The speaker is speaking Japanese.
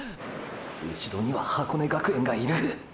うしろには箱根学園がいる！！